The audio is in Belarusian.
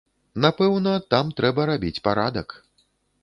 Напэўна, там трэба рабіць парадак.